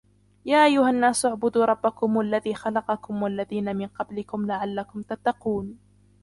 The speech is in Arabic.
يا أيها الناس اعبدوا ربكم الذي خلقكم والذين من قبلكم لعلكم تتقون